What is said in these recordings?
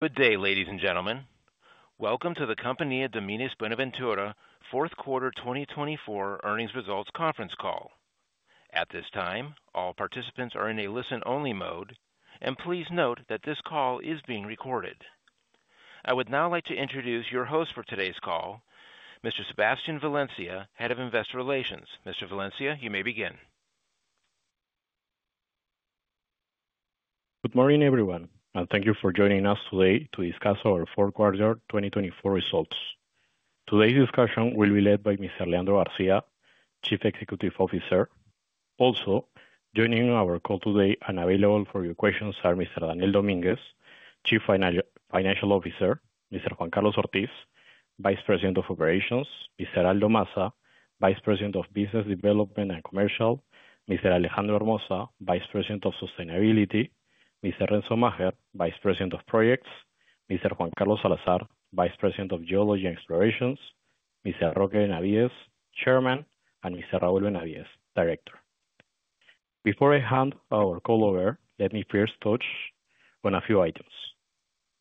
Good day, ladies and gentlemen. Welcome to the Compañía de Minas Buenaventura Fourth Quarter 2024 Earnings Results Conference Call. At this time, all participants are in a listen-only mode, and please note that this call is being recorded. I would now like to introduce your host for today's call, Mr. Sebastián Valencia, Head of Investor Relations. Mr. Valencia, you may begin. Good morning, everyone. Thank you for joining us today to discuss our Fourth Quarter 2024 results. Today's discussion will be led by Mr. Leandro García, Chief Executive Officer. Also, joining our call today and available for your questions are Mr. Daniel Domínguez, Chief Financial Officer, Mr. Juan Carlos Ortiz, Vice President of Operations, Mr. Aldo Massa, Vice President of Business Development and Commercial, Mr. Alejandro Hermosa, Vice President of Sustainability, Mr. Renzo Macher, Vice President of Projects, Mr. Juan Carlos Salazar, Vice President of Geology and Explorations, Mr. Roque Benavides, Chairman, and Mr. Raúl Benavides, Director. Before I hand our call over, let me first touch on a few items.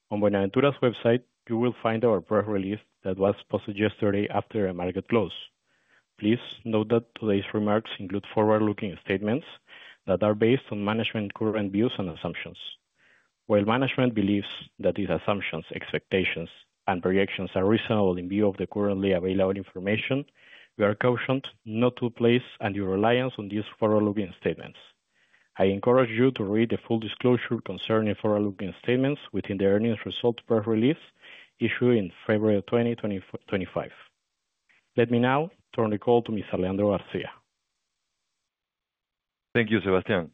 On Buenaventura's website, you will find our press release that was posted yesterday after the market close. Please note that today's remarks include forward-looking statements that are based on management's current views and assumptions. While management believes that these assumptions, expectations, and projections are reasonable in view of the currently available information, we are cautioned not to place any reliance on these forward-looking statements. I encourage you to read the full disclosure concerning forward-looking statements within the earnings result press release issued in February 2025. Let me now turn the call to Mr. Leandro García. Thank you, Sebastián.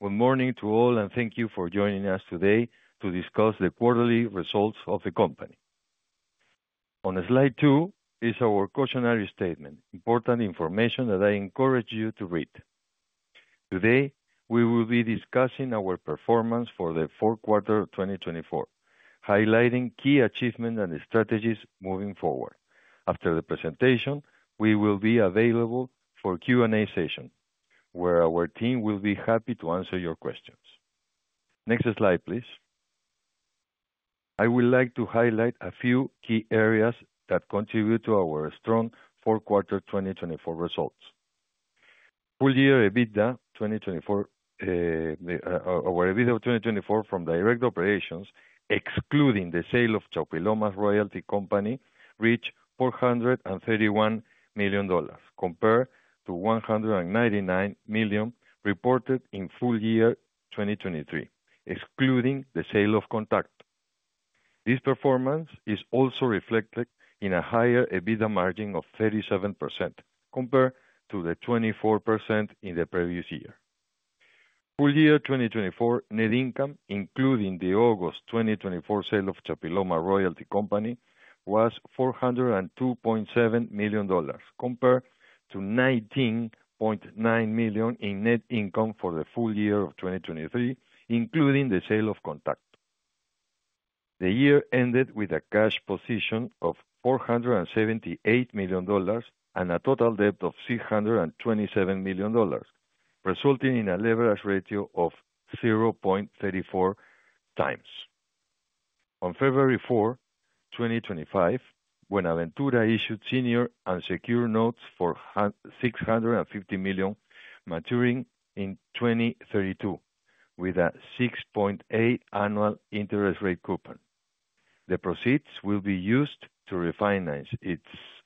Good morning to all, and thank you for joining us today to discuss the quarterly results of the company. On slide two is our cautionary statement, important information that I encourage you to read. Today, we will be discussing our performance for the Fourth Quarter 2024, highlighting key achievements and strategies moving forward. After the presentation, we will be available for a Q&A session, where our team will be happy to answer your questions. Next slide, please. I would like to highlight a few key areas that contribute to our strong Fourth Quarter 2024 results. Our EBITDA of 2024 from direct operations, excluding the sale of Chaupiloma Royalty Company, reached $431 million, compared to $199 million reported in full year 2023, excluding the sale of Contacto. This performance is also reflected in a higher EBITDA margin of 37%, compared to the 24% in the previous year. Full year 2024 net income, including the August 2024 sale of Chaupiloma royalty company, was $402.7 million, compared to $19.9 million in net income for the full year of 2023, including the sale of Contacto. The year ended with a cash position of $478 million and a total debt of $627 million, resulting in a leverage ratio of 0.34 times. On February 4, 2025, Buenaventura issued senior unsecured notes for $650 million, maturing in 2032, with a 6.8% annual interest rate coupon. The proceeds will be used to refinance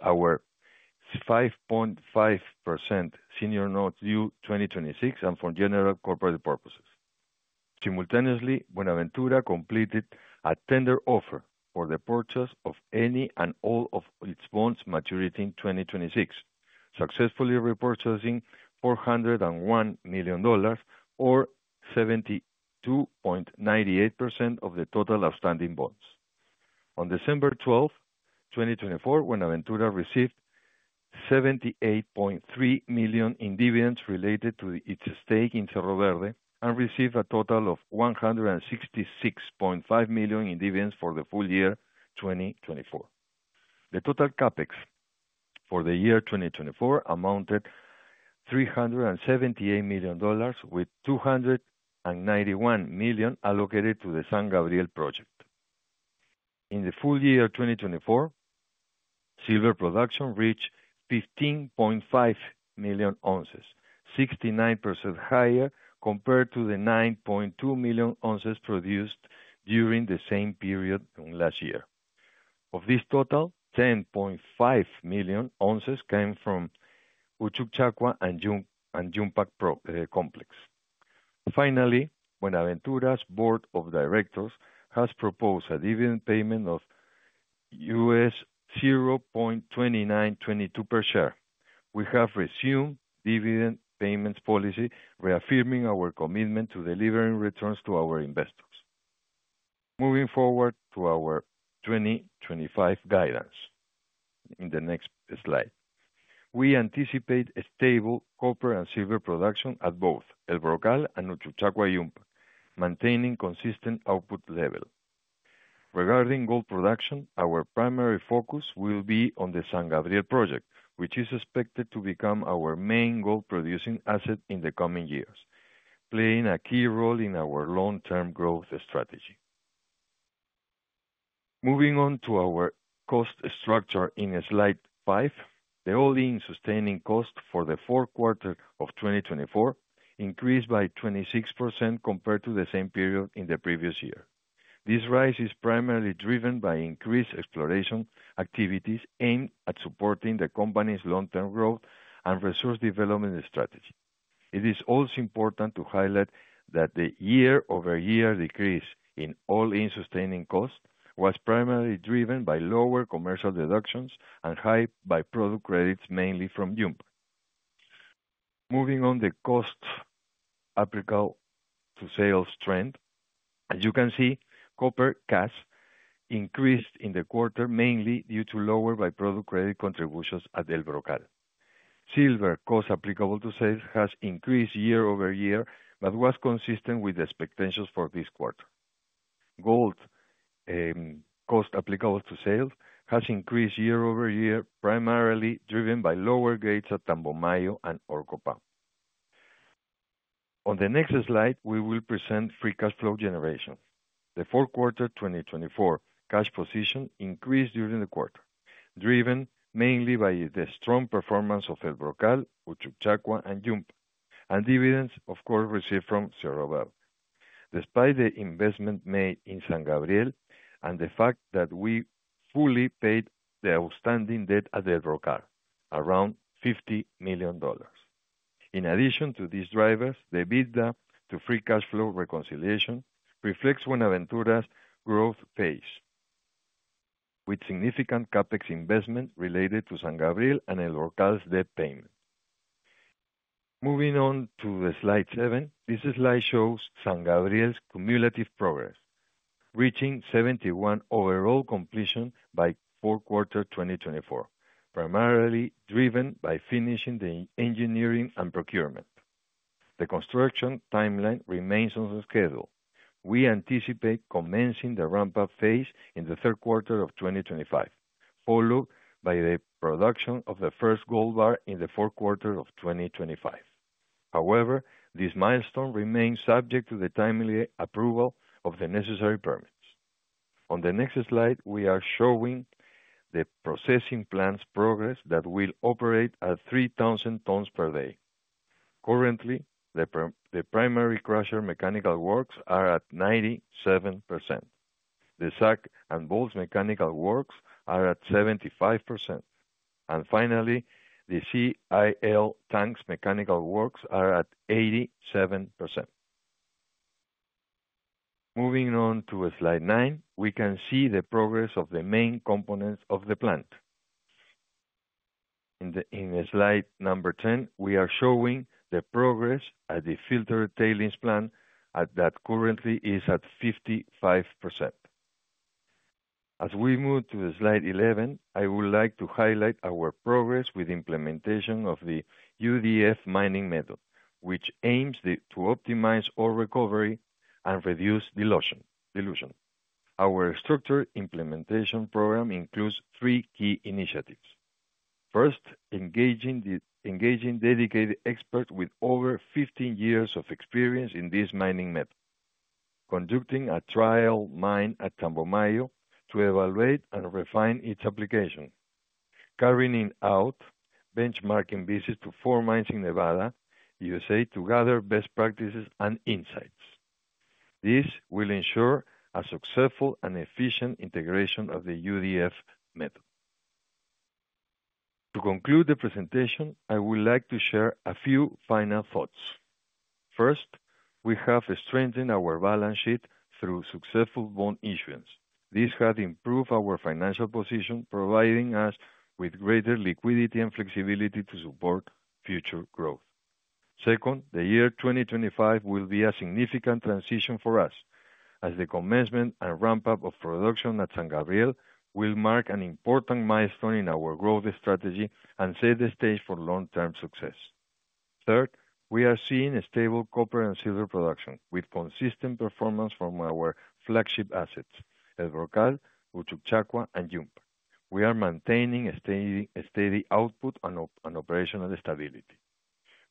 our 5.5% senior notes due in 2026 and for general corporate purposes. Simultaneously, Buenaventura completed a tender offer for the purchase of any and all of its bonds maturing in 2026, successfully repurchasing $401 million, or 72.98% of the total outstanding bonds. On December 12, 2024, Buenaventura received $78.3 million in dividends related to its stake in Cerro Verde and received a total of $166.5 million in dividends for the full year 2024. The total CapEx for the year 2024 amounted to $378 million, with $291 million allocated to the San Gabriel project. In the full year 2024, silver production reached 15.5 million ounces, 69% higher compared to the 9.2 million ounces produced during the same period last year. Of this total, 10.5 million ounces came from Uchucchacua and Yumpag Complex. Finally, Buenaventura's Board of Directors has proposed a dividend payment of $0.2922 per share. We have resumed dividend payments policy, reaffirming our commitment to delivering returns to our investors. Moving forward to our 2025 guidance in the next slide, we anticipate stable copper and silver production at both El Brocal and Uchucchacua and Yumpag, maintaining consistent output levels. Regarding gold production, our primary focus will be on the San Gabriel project, which is expected to become our main gold-producing asset in the coming years, playing a key role in our long-term growth strategy. Moving on to our cost structure in slide five, the all-in sustaining cost for the fourth quarter of 2024 increased by 26% compared to the same period in the previous year. This rise is primarily driven by increased exploration activities aimed at supporting the company's long-term growth and resource development strategy. It is also important to highlight that the year-over-year decrease in all-in sustaining cost was primarily driven by lower commercial deductions and high by-product credits, mainly from Yumpag. Moving on, the cost applicable to sales trend, as you can see, copper cash increased in the quarter mainly due to lower by-product credit contributions at El Brocal. Silver cost applicable to sales has increased year-over-year but was consistent with expectations for this quarter. Gold cost applicable to sales has increased year-over-year, primarily driven by lower gains at Tambomayo and Orcopampa. On the next slide, we will present free cash flow generation. The Fourth Quarter 2024 cash position increased during the quarter, driven mainly by the strong performance of El Brocal, Uchucchacua, and Yumpag, and dividends, of course, received from Cerro Verde. Despite the investment made in San Gabriel and the fact that we fully paid the outstanding debt at El Brocal, around $50 million. In addition to these drivers, the EBITDA to free cash flow reconciliation reflects Buenaventura's growth pace, with significant CapEx investment related to San Gabriel and El Brocal's debt payment. Moving on to slide seven, this slide shows San Gabriel's cumulative progress, reaching 71 overall completions by fourth quarter 2024, primarily driven by finishing the engineering and procurement. The construction timeline remains on schedule. We anticipate commencing the ramp-up phase in the third quarter of 2025, followed by the production of the first gold bar in the fourth quarter of 2025. However, this milestone remains subject to the timely approval of the necessary permits. On the next slide, we are showing the processing plant's progress that will operate at 3,000 tons per day. Currently, the primary crusher mechanical works are at 97%. The SAG and ball mechanical works are at 75%. And finally, the CIL tanks mechanical works are at 87%. Moving on to slide nine, we can see the progress of the main components of the plant. In slide number 10, we are showing the progress at the tailings filter plant that currently is at 55%. As we move to slide 11, I would like to highlight our progress with implementation of the UDF mining method, which aims to optimize ore recovery and reduce dilution. Our structured implementation program includes three key initiatives. First, engaging dedicated experts with over 15 years of experience in this mining method, conducting a trial mine at Tambomayo to evaluate and refine its application, carrying out benchmarking visits to four mines in Nevada, USA to gather best practices and insights. This will ensure a successful and efficient integration of the UDF method. To conclude the presentation, I would like to share a few final thoughts. First, we have strengthened our balance sheet through successful bond issuance. This has improved our financial position, providing us with greater liquidity and flexibility to support future growth. Second, the year 2025 will be a significant transition for us, as the commencement and ramp-up of production at San Gabriel will mark an important milestone in our growth strategy and set the stage for long-term success. Third, we are seeing a stable copper and silver production with consistent performance from our flagship assets, El Brocal, Uchucchacua, and Yumpag. We are maintaining a steady output and operational stability.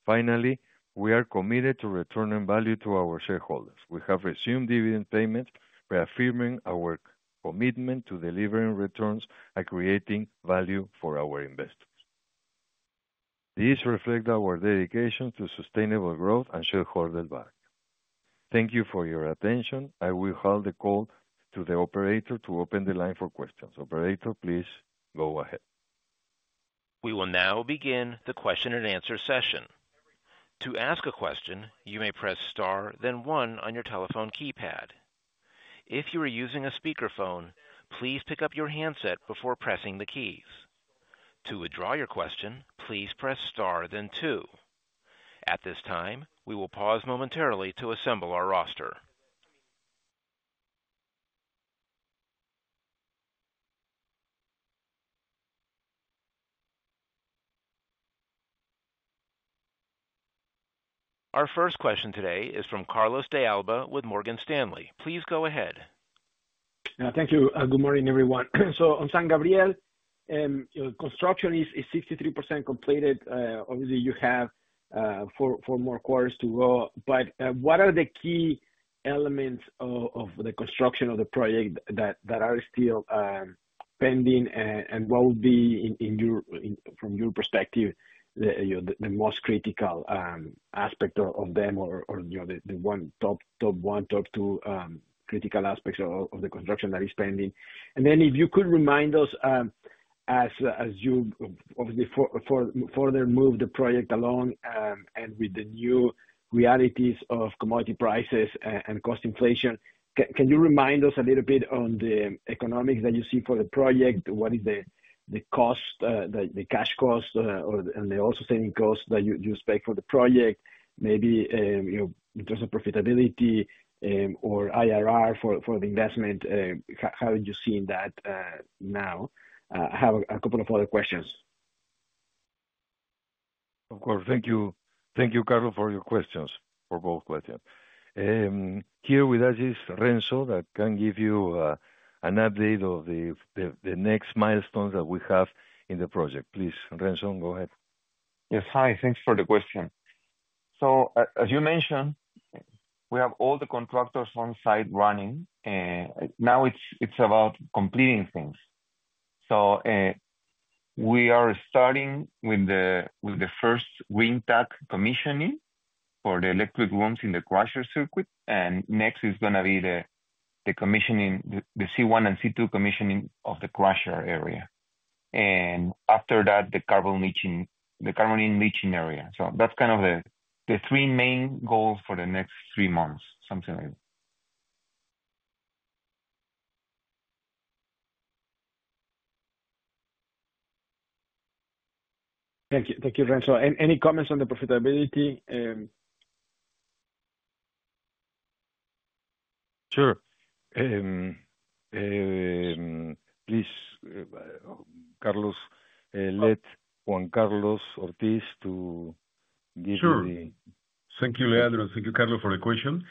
Finally, we are committed to returning value to our shareholders. We have resumed dividend payments, reaffirming our commitment to delivering returns and creating value for our investors. These reflect our dedication to sustainable growth and shareholder value. Thank you for your attention. I will hold the call to the operator to open the line for questions. Operator, please go ahead. We will now begin the question-and-answer session. To ask a question, you may press star, then one on your telephone keypad. If you are using a speakerphone, please pick up your handset before pressing the keys. To withdraw your question, please press star, then two. At this time, we will pause momentarily to assemble our roster. Our first question today is from Carlos de Alba with Morgan Stanley. Please go ahead. Thank you. Good morning, everyone. So on San Gabriel, construction is 63% completed. Obviously, you have four more quarters to go. But what are the key elements of the construction of the project that are still pending? And what would be, from your perspective, the most critical aspect of them, or the top one, top two critical aspects of the construction that is pending? And then if you could remind us, as you obviously further move the project along and with the new realities of commodity prices and cost inflation, can you remind us a little bit on the economics that you see for the project? What is the cost, the cash cost, and the all-in sustaining cost that you expect for the project? Maybe in terms of profitability or IRR for the investment, how are you seeing that now? I have a couple of other questions. Of course. Thank you, Carlos, for your questions, for both questions. Here with us is Renzo that can give you an update of the next milestones that we have in the project. Please, Renzo, go ahead. Yes. Hi. Thanks for the question, so as you mentioned, we have all the contractors on site running. Now it's about completing things, so we are starting with the first commissioning for the electric rooms in the crusher circuit, and next is going to be the commissioning, the C1 and C2 commissioning of the crusher area, and after that, the carbon leaching area, so that's kind of the three main goals for the next three months, something like that. Thank you. Thank you, Renzo. Any comments on the profitability? Sure. Please, Carlos, let Juan Carlos Ortiz give the. Sure. Thank you, Leandro. Thank you, Carlos, for the question.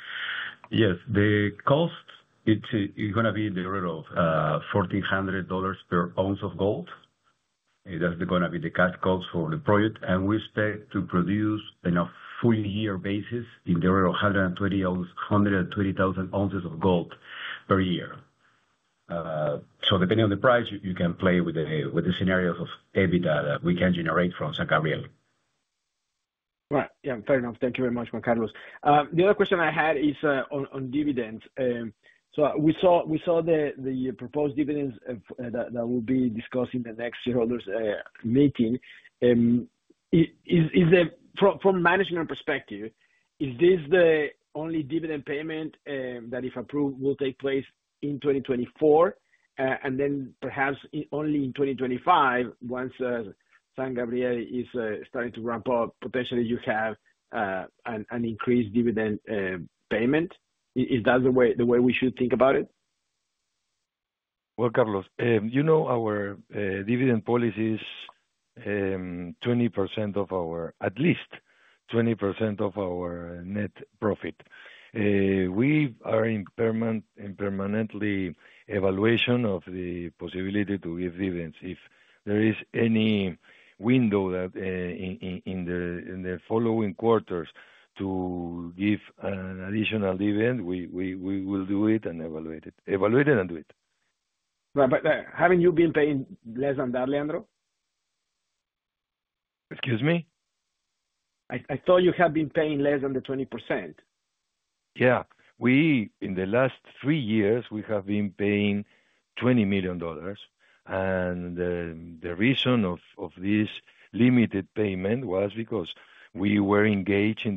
Yes. The cost, it's going to be in the order of $1,400 per ounce of gold. That's going to be the cash cost for the project, and we expect to produce on a full-year basis in the order of 120,000 ounces of gold per year, so depending on the price, you can play with the scenarios of EBITDA that we can generate from San Gabriel. Right. Yeah. Fair enough. Thank you very much, Juan Carlos. The other question I had is on dividends. So we saw the proposed dividends that will be discussed in the next shareholders' meeting. From management perspective, is this the only dividend payment that, if approved, will take place in 2024? And then perhaps only in 2025, once San Gabriel is starting to ramp up, potentially you have an increased dividend payment. Is that the way we should think about it? Carlos, you know our dividend policy is 20% of our, at least 20% of our net profit. We are in permanent evaluation of the possibility to give dividends. If there is any window in the following quarters to give an additional dividend, we will do it and evaluate it. Evaluate it and do it. Right. But haven't you been paying less than that, Leandro? Excuse me? I thought you had been paying less than the 20%. Yeah. In the last three years, we have been paying $20 million, and the reason of this limited payment was because we were engaged in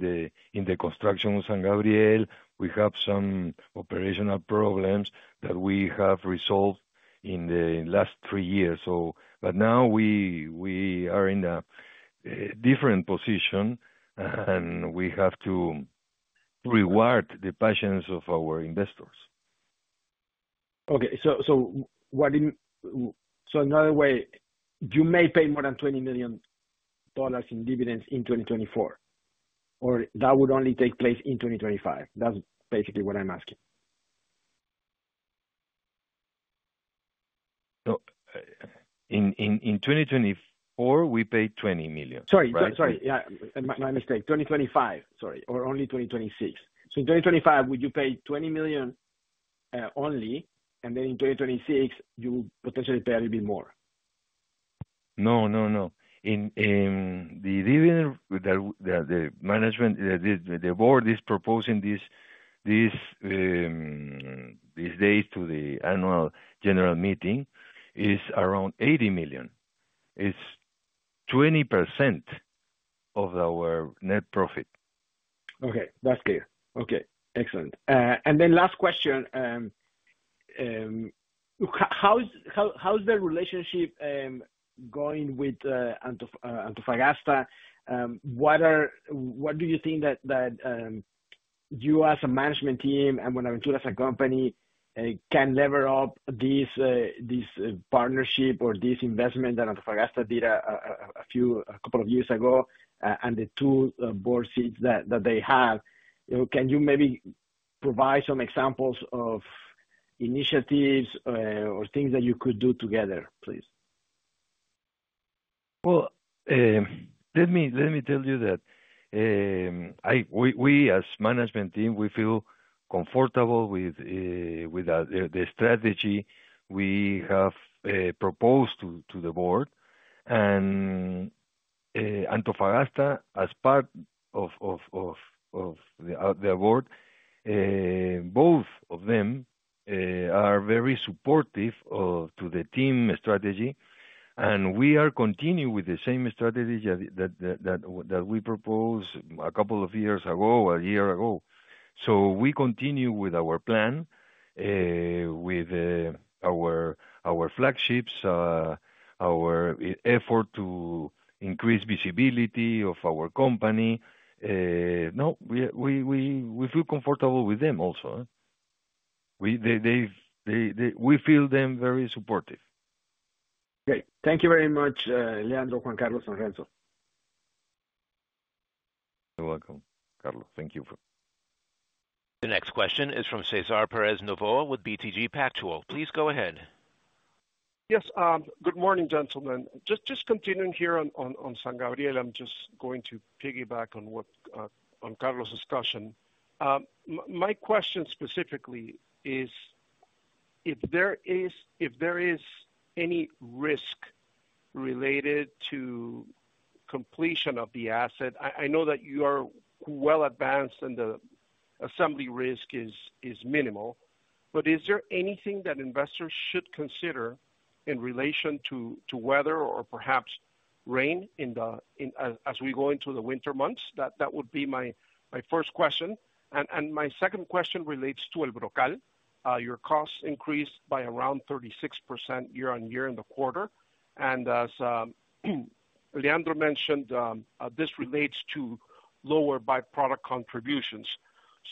the construction of San Gabriel. We have some operational problems that we have resolved in the last three years, but now we are in a different position, and we have to reward the patience of our investors. Okay. So in other ways, you may pay more than $20 million in dividends in 2024, or that would only take place in 2025? That's basically what I'm asking. So in 2024, we paid $20 million. Sorry. Sorry. Yeah. My mistake. 2025, sorry, or only 2026. So in 2025, would you pay $20 million only, and then in 2026, you would potentially pay a little bit more? No, no, no. The dividend that the management, the board is proposing these days to the annual general meeting, is around $80 million. It's 20% of our net profit. Okay. That's clear. Okay. Excellent. And then last question. How's the relationship going with Antofagasta? What do you think that you as a management team and Buenaventura as a company can lever up this partnership or this investment that Antofagasta did a couple of years ago and the two board seats that they have? Can you maybe provide some examples of initiatives or things that you could do together, please? Let me tell you that we, as management team, we feel comfortable with the strategy we have proposed to the board. Antofagasta, as part of the board, both of them are very supportive to the team strategy. We are continuing with the same strategy that we proposed a couple of years ago, a year ago. We continue with our plan, with our flagships, our effort to increase visibility of our company. No, we feel comfortable with them also. We feel them very supportive. Great. Thank you very much, Leandro, Juan Carlos, and Renzo. You're welcome, Carlos. Thank you. The next question is from César Pérez Novoa with BTG Pactual. Please go ahead. Yes. Good morning, gentlemen. Just continuing here on San Gabriel, I'm just going to piggyback on Carlos' discussion. My question specifically is, if there is any risk related to completion of the asset, I know that you are well advanced and the assembly risk is minimal, but is there anything that investors should consider in relation to weather or perhaps rain as we go into the winter months? That would be my first question. And my second question relates to El Brocal. Your costs increased by around 36% year on year in the quarter. And as Leandro mentioned, this relates to lower byproduct contributions.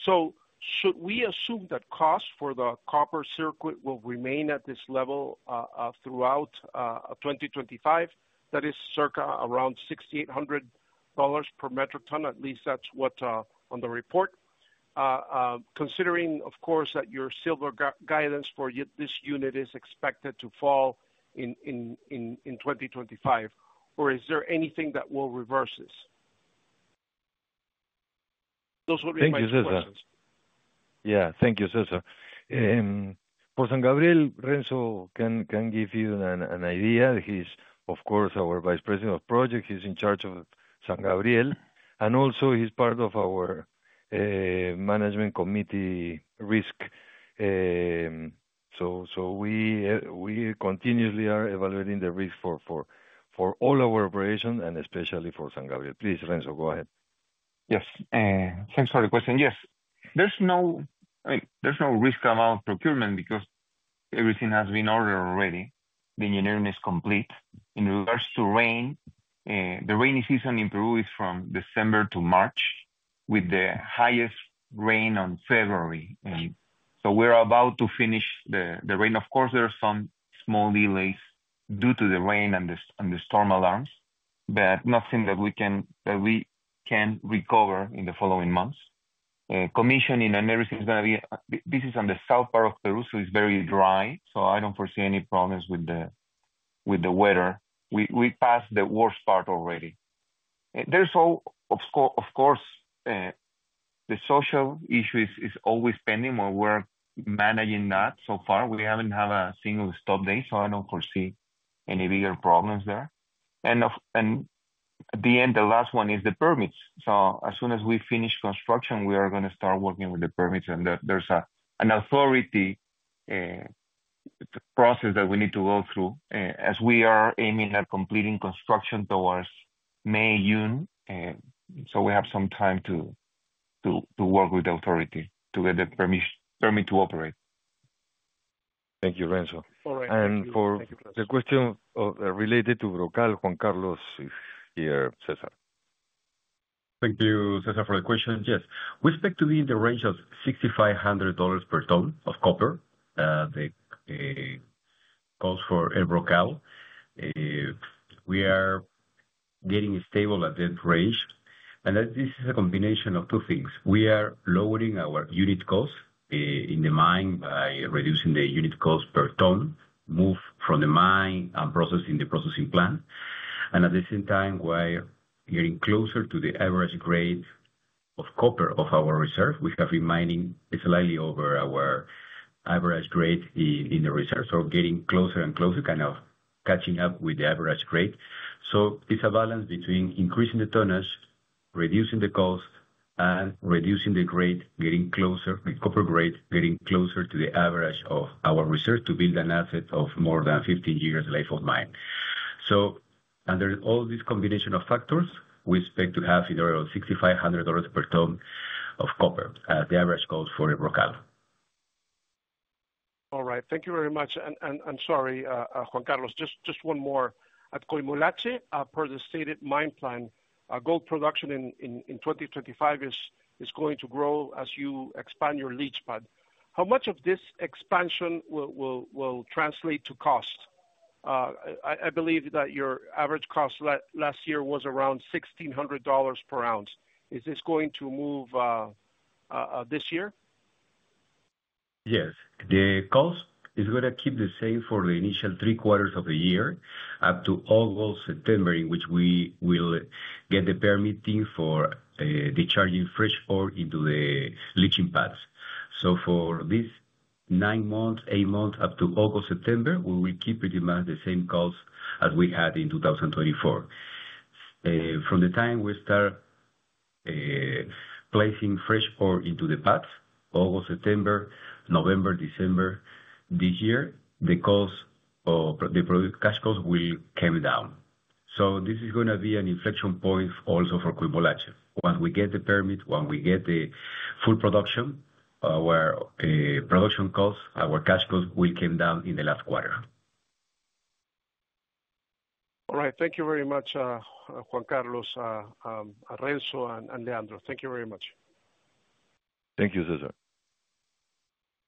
So should we assume that costs for the copper circuit will remain at this level throughout 2025? That is circa around $6,800 per metric ton. At least that's what's on the report. Considering, of course, that your silver guidance for this unit is expected to fall in 2025, or is there anything that will reverse this? Those would be my questions. Thank you, César. Yeah. Thank you, César. For San Gabriel, Renzo can give you an idea. He's, of course, our Vice President of Projects. He's in charge of San Gabriel. And also, he's part of our management committee risk. So we continuously are evaluating the risk for all our operations and especially for San Gabriel. Please, Renzo, go ahead. Yes. Thanks for the question. Yes. I mean, there's no risk around procurement because everything has been ordered already. The engineering is complete. In regards to rain, the rainy season in Peru is from December to March, with the highest rain on February. So we're about to finish the rain. Of course, there are some small delays due to the rain and the storm alarms, but nothing that we can recover in the following months. Commissioning and everything's going to be. This is on the south part of Peru, so it's very dry. So I don't foresee any problems with the weather. We passed the worst part already. There's also, of course, the social issue is always pending while we're managing that. So far, we haven't had a single stop day, so I don't foresee any bigger problems there, and at the end, the last one is the permits. So as soon as we finish construction, we are going to start working with the permits. And there's an authority process that we need to go through as we are aiming at completing construction towards May, June. So we have some time to work with the authority to get the permit to operate. Thank you, Renzo, and for the question related to El Brocal, Juan Carlos is here, César. Thank you, Cesar, for the question. Yes. We expect to be in the range of $6,500 per ton of copper that costs for El Brocal. We are getting stable at that range, and this is a combination of two things. We are lowering our unit cost in the mine by reducing the unit cost per ton, move from the mine and processing the processing plant. And at the same time, while getting closer to the average grade of copper of our reserve, we have been mining slightly over our average grade in the reserve. So getting closer and closer, kind of catching up with the average grade. It's a balance between increasing the tonnage, reducing the cost, and reducing the grade, getting closer, the copper grade, getting closer to the average of our reserve to build an asset of more than 15 years' life of mine. So under all this combination of factors, we expect to have in the order of $6,500 per ton of copper as the average cost for El Brocal. All right. Thank you very much and sorry, Juan Carlos, just one more. At Coimolache, per the stated mine plan, gold production in 2025 is going to grow as you expand your leach pad. How much of this expansion will translate to cost? I believe that your average cost last year was around $1,600 per ounce. Is this going to move this year? Yes. The cost is going to keep the same for the initial three quarters of the year up to August, September, in which we will get the permitting for the charging fresh ore into the leach pads. So for these nine months, eight months up to August, September, we will keep pretty much the same cost as we had in 2024. From the time we start placing fresh ore into the pads, August, September, November, December, this year, the cash cost will come down. So this is going to be an inflection point also for Coimolache. Once we get the permit, once we get the full production, our production costs, our cash costs will come down in the last quarter. All right. Thank you very much, Juan Carlos, Renzo, and Leandro. Thank you very much. Thank you, Cesar.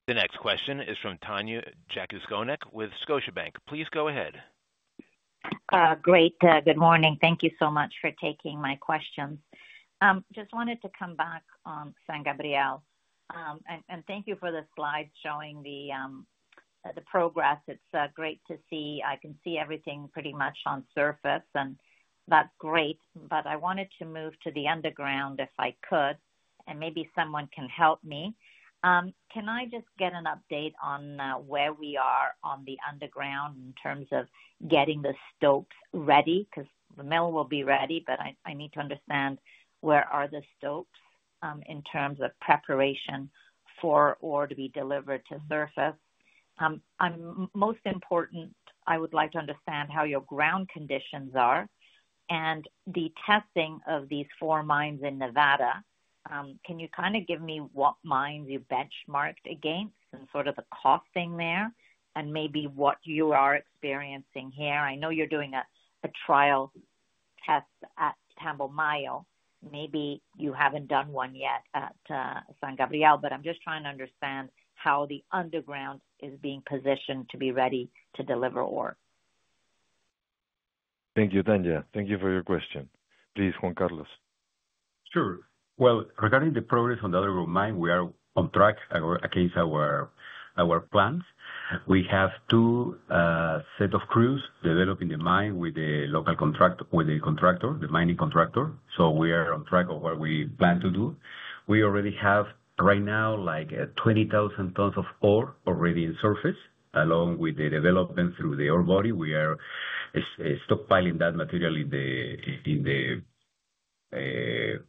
The next question is from Tanya Jakusconek with Scotiabank. Please go ahead. Great. Good morning. Thank you so much for taking my questions. Just wanted to come back on San Gabriel, and thank you for the slides showing the progress. It's great to see. I can see everything pretty much on surface, and that's great, but I wanted to move to the underground if I could, and maybe someone can help me. Can I just get an update on where we are on the underground in terms of getting the stopes ready? Because the mill will be ready, but I need to understand where are the stopes in terms of preparation for ore to be delivered to surface. Most important, I would like to understand how your ground conditions are and the testing of these four mines in Nevada. Can you kind of give me what mines you benchmarked against and sort of the costing there and maybe what you are experiencing here? I know you're doing a trial test at Tambomayo. Maybe you haven't done one yet at San Gabriel, but I'm just trying to understand how the underground is being positioned to be ready to deliver ore. Thank you, Tanya. Thank you for your question. Please, Juan Carlos. Sure. Well, regarding the progress on the Orcopampa mine, we are on track against our plans. We have two sets of crews developing the mine with the local contractor, the mining contractor. So we are on track of what we plan to do. We already have right now like 20,000 tons of ore already in surface, along with the development through the ore body. We are stockpiling that material in the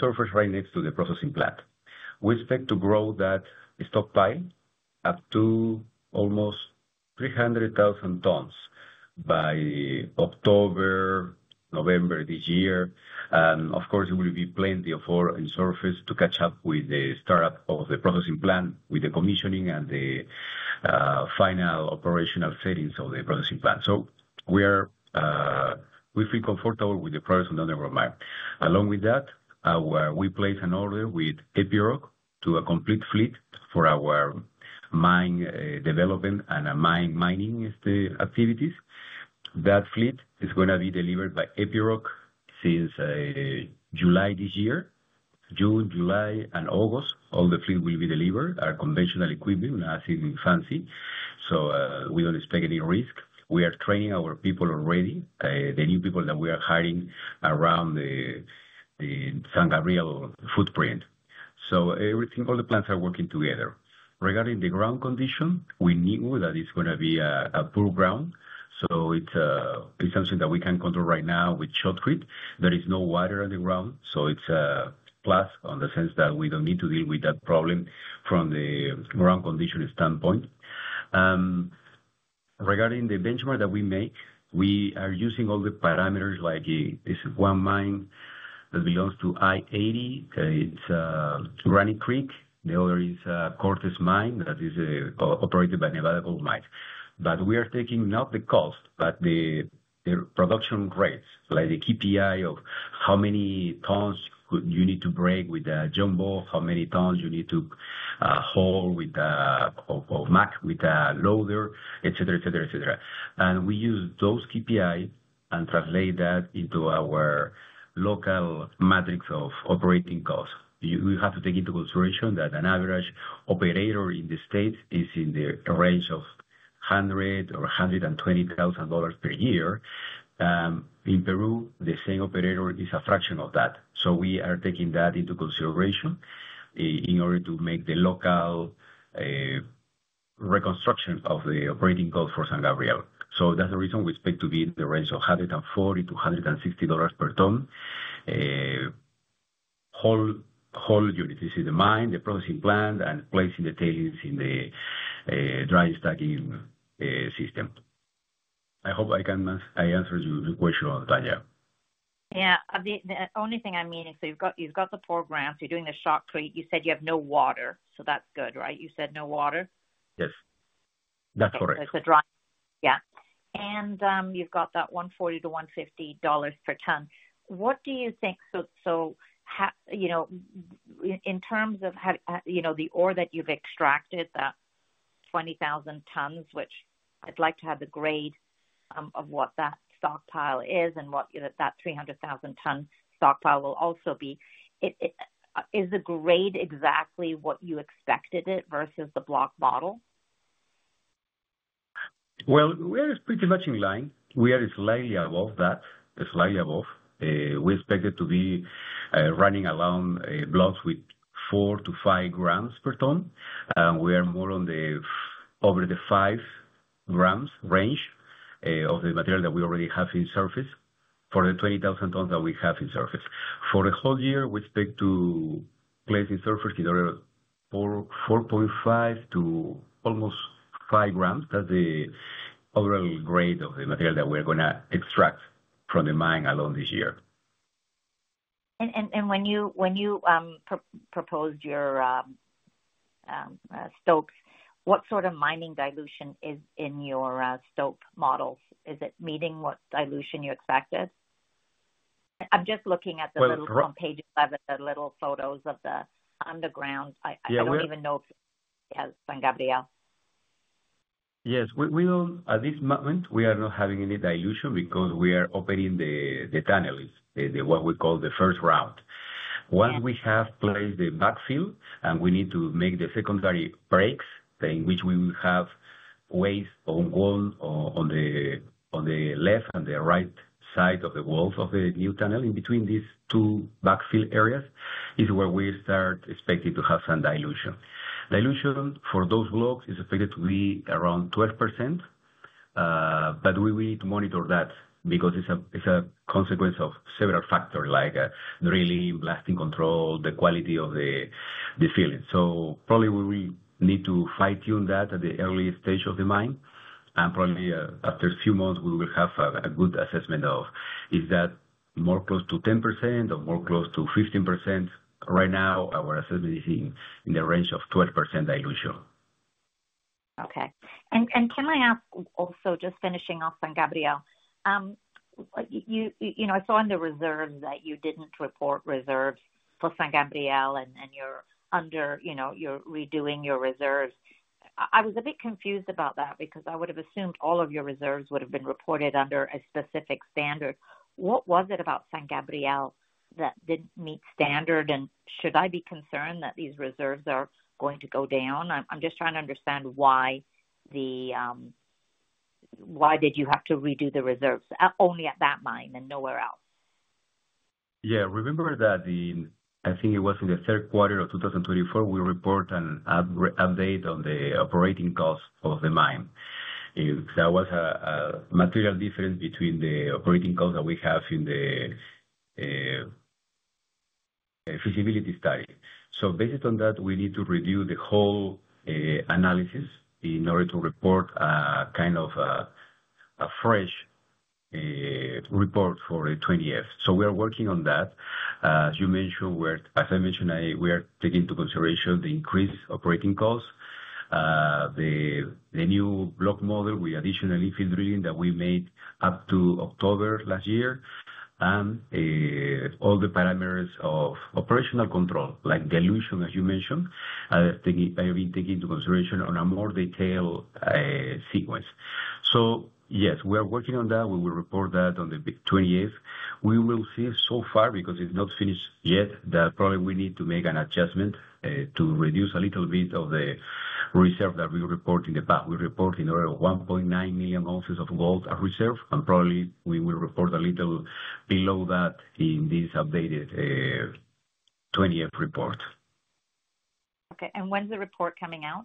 surface right next to the processing plant. We expect to grow that stockpile up to almost 300,000 tons by October, November this year. And of course, it will be plenty of ore in surface to catch up with the startup of the processing plant with the commissioning and the final operational settings of the processing plant. So we feel comfortable with the progress on the underground mine. Along with that, we placed an order with Epiroc for a complete fleet for our mine development and mining activities. That fleet is going to be delivered by Epiroc since July this year. June, July, and August, all the fleet will be delivered. [It is] conventional equipment, as in, not fancy. So we don't expect any risk. We are training our people already, the new people that we are hiring around the San Gabriel footprint. So all the plants are working together. Regarding the ground condition, we knew that it's going to be a poor ground. So it's something that we can control right now with shotcrete. There is no water on the ground. So it's a plus in the sense that we don't need to deal with that problem from the ground condition standpoint. Regarding the benchmark that we make, we are using all the parameters like this one mine that belongs to i-80. It's Granite Creek. The other is Cortez Mine. That is operated by Nevada Gold Mines, but we are taking not the cost, but the production rates, like the KPI of how many tons you need to break with a jumbo, how many tons you need to haul with a CAT, with a loader, etc., etc., etc. And we use those KPIs and translate that into our local matrix of operating costs. We have to take into consideration that an average operator in the States is in the range of $100,000 or $120,000 per year. In Peru, the same operator is a fraction of that. So we are taking that into consideration in order to make the local reconstruction of the operating costs for San Gabriel. So that's the reason we expect to be in the range of $140-$160 per ton, all-in. This is the mine, the processing plant, and placing the tailings in the dry stacking system. I hope I answered your question, Tanya. Yeah. The only thing I mean, so you've got the poor grounds. You're doing the shotcrete. You said you have no water. So that's good, right? You said no water? Yes. That's correct. It's a dry. Yeah. And you've got that $140-$150 per ton. What do you think? So in terms of the ore that you've extracted, that 20,000 tons, which I'd like to have the grade of what that stockpile is and what that 300,000-ton stockpile will also be. Is the grade exactly what you expected it versus the block model? We are pretty much in line. We are slightly above that, slightly above. We expect it to be running around blocks with 4-5 grams per ton. We are more on the over the 5 grams range of the material that we already have in surface for the 20,000 tons that we have in surface. For the whole year, we expect to place in surface in order of 4.5 to almost 5 grams. That's the overall grade of the material that we're going to extract from the mine alone this year. And when you proposed your stopes, what sort of mining dilution is in your stope models? Is it meeting what dilution you expected? I'm just looking at the layout on page 11, the little photos of the underground. I don't even know if it has San Gabriel. Yes. At this moment, we are not having any dilution because we are opening the tunnels, what we call the first round. Once we have placed the backfill, and we need to make the secondary breaks in which we will have waste on wall on the left and the right side of the walls of the new tunnel in between these two backfill areas is where we start expecting to have some dilution. Dilution for those blocks is expected to be around 12%. But we will need to monitor that because it's a consequence of several factors like drilling, blasting control, the quality of the filling, so probably we will need to fine-tune that at the early stage of the mine and probably after a few months, we will have a good assessment of is that more close to 10% or more close to 15%. Right now, our assessment is in the range of 12% dilution. Okay. And can I ask also, just finishing off San Gabriel, I saw in the reserves that you didn't report reserves for San Gabriel, and you're redoing your reserves. I was a bit confused about that because I would have assumed all of your reserves would have been reported under a specific standard. What was it about San Gabriel that didn't meet standard? And should I be concerned that these reserves are going to go down? I'm just trying to understand why did you have to redo the reserves only at that mine and nowhere else? Yeah. Remember that I think it was in the third quarter of 2024, we report an update on the operating cost of the mine. There was a material difference between the operating costs that we have in the feasibility study. So based on that, we need to review the whole analysis in order to report a kind of a fresh report for the 20-F. We are working on that. As you mentioned, as I mentioned, we are taking into consideration the increased operating costs, the new block model with additional infill drilling that we made up to October last year, and all the parameters of operational control, like dilution, as you mentioned, are being taken into consideration on a more detailed sequence. Yes, we are working on that. We will report that on the 20-F. We will see so far because it's not finished yet that probably we need to make an adjustment to reduce a little bit of the reserves that we reported in the past. We reported in the order of 1.9 million ounces of gold as reserves. And probably we will report a little below that in this updated 20-F report. Okay, and when's the report coming out?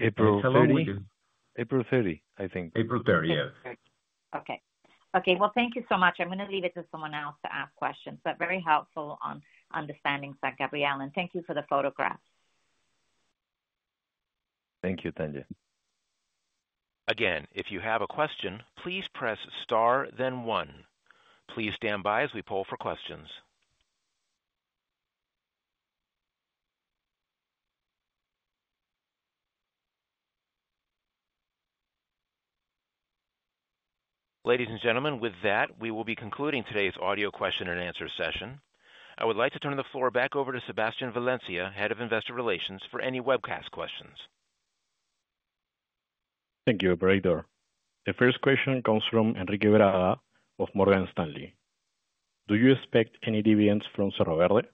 April 30. It's already April 30, I think. April 30, yes. Okay. Well, thank you so much. I'm going to leave it to someone else to ask questions, but very helpful on understanding San Gabriel. And thank you for the photographs. Thank you, Tanya. Again, if you have a question, please press star, then one. Please stand by as we poll for questions. Ladies and gentlemen, with that, we will be concluding today's audio question and answer session. I would like to turn the floor back over to Sebastián Valencia, head of investor relations, for any webcast questions. Thank you, Operator. The first question comes from Unidentified Speaker, of Morgan Stanley. Do you expect any dividends from Cerro Verde?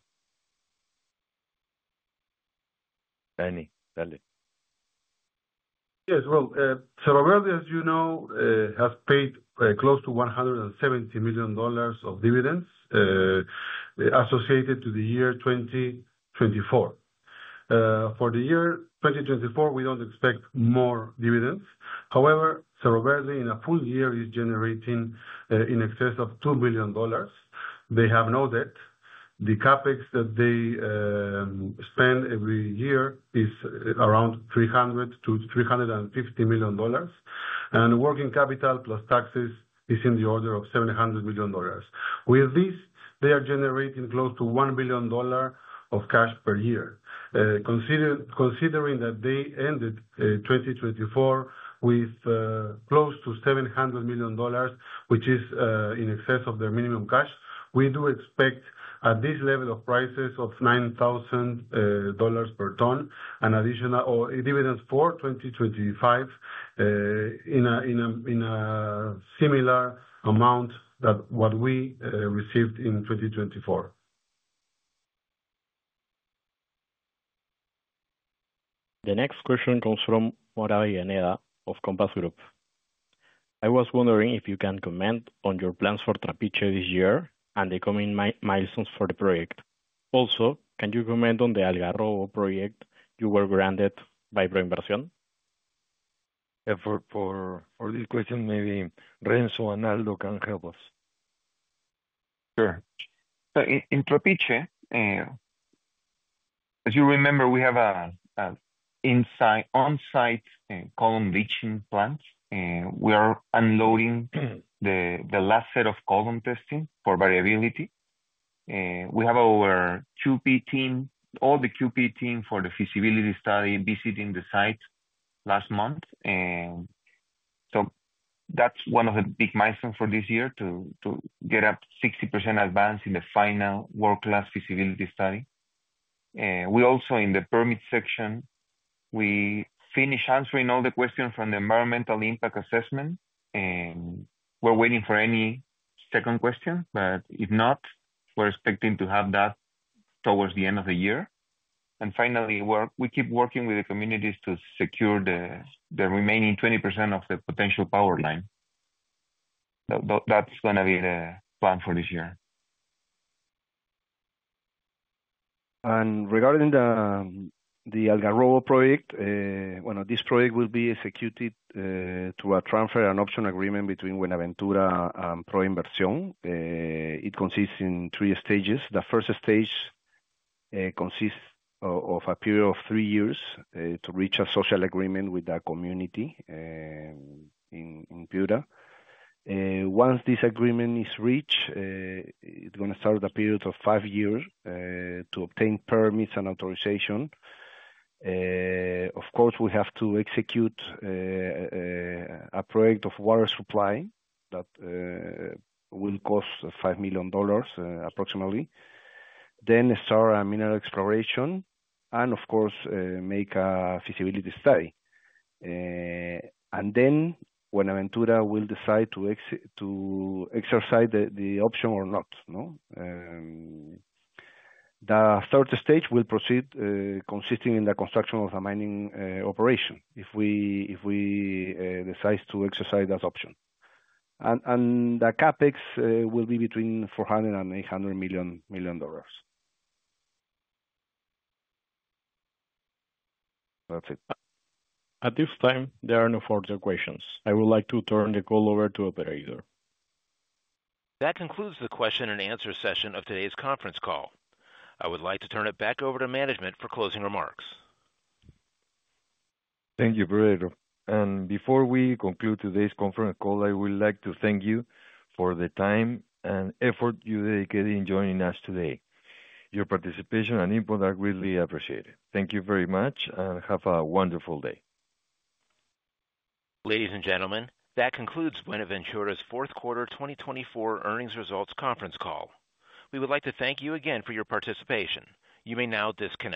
Danny, Dale. Yes. Well, Cerro Verde, as you know, has paid close to $170 million of dividends associated to the year 2024. For the year 2024, we don't expect more dividends. However, Cerro Verde, in a full year, is generating in excess of $2 billion. They have no debt. The CapEx that they spend every year is around $300-$350 million. And working capital plus taxes is in the order of $700 million. With this, they are generating close to $1 billion of cash per year. Considering that they ended 2024 with close to $700 million, which is in excess of their minimum cash, we do expect at this level of prices of $9,000 per ton an additional dividend for 2025 in a similar amount that what we received in 2024. The next question comes from Uncertain, of Compass Group. I was wondering if you can comment on your plans for Trapiche this year and the coming milestones for the project. Also, can you comment on the Algarrobo project you were granted by ProInversión? For this question, maybe Renzo and Aldo can help us. Sure. In Trapiche, as you remember, we have an on-site column leaching plant. We are unloading the last set of column testing for variability. We have our QP team, all the QP team for the feasibility study, visiting the site last month. So that's one of the big milestones for this year to get up 60% advance in the final world-class feasibility study. We also, in the permit section, we finished answering all the questions from the Environmental Impact Assessment. We're waiting for any second question, but if not, we're expecting to have that towards the end of the year. And finally, we keep working with the communities to secure the remaining 20% of the potential power line. That's going to be the plan for this year. Regarding the Algarrobo project, this project will be executed through a transfer and option agreement between Buenaventura and Proinversión. It consists in three stages. The first stage consists of a period of three years to reach a social agreement with the community in Piura. Once this agreement is reached, it's going to start a period of five years to obtain permits and authorization. Of course, we have to execute a project of water supply that will cost $5 million approximately, then start a mineral exploration, and of course, make a feasibility study. Then Buenaventura will decide to exercise the option or not. The third stage will proceed consisting in the construction of the mining operation if we decide to exercise that option. The CapEx will be between $400 and 800 million. That's it. At this time, there are no further questions. I would like to turn the call over to Operator. That concludes the question and answer session of today's conference call. I would like to turn it back over to management for closing remarks. Thank you, Operator. And before we conclude today's conference call, I would like to thank you for the time and effort you dedicated in joining us today. Your participation and input are greatly appreciated. Thank you very much and have a wonderful day. Ladies and gentlemen, that concludes Buenaventura's fourth quarter 2024 earnings results conference call. We would like to thank you again for your participation. You may now disconnect.